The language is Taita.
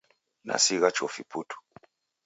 Nasigha chofi putu.